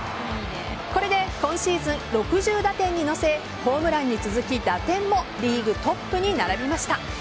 これで今シーズン６０打点に乗せホームランに続き、打点もリーグトップに並びました。